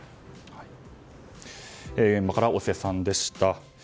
現場から尾瀬さんでした。